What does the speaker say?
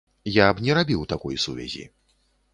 Я б не рабіў такой сувязі.